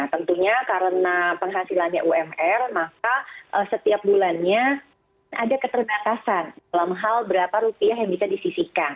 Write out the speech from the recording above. tentunya karena penghasilannya umr maka setiap bulannya ada keterbatasan dalam hal berapa rupiah yang bisa disisihkan